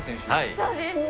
そうです。